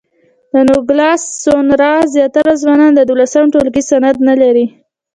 د نوګالس سونورا زیاتره ځوانان د دولسم ټولګي سند نه لري.